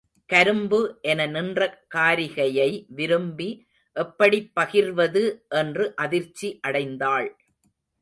கரும்பு என நின்ற காரிகையை விரும்பி எப்படிப் பகிர்வது என்று அதிர்ச்சி அடைந்தாள்.